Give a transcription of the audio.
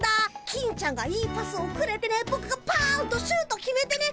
金ちゃんがいいパスをくれてねぼくがパンとシュート決めてね。